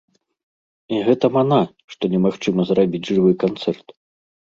І гэта мана, што немагчыма зрабіць жывы канцэрт.